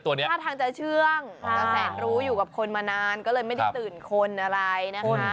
แต่อันนี้ถ้าทางจะเชื่องแสนรู้อยู่กับคนมานานก็เลยไม่ได้ตื่นคนอะไรนะ